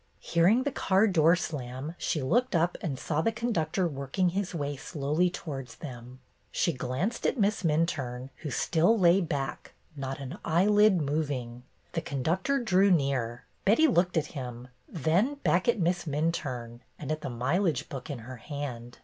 Hearing the car door slam, she looked up and saw the conductor working his way slowly towards them. She glanced at Miss Minturne, who still lay back, not an eyelid moving. The conductor drew near. Betty looked at him, then back at Miss Minturne and at the mileage book in her hand.